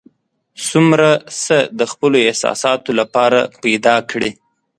څومره څه د خپلو احساساتو لپاره پیدا کړي.